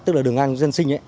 tức là đường ngang dân sinh